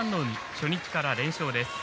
初日から連勝です。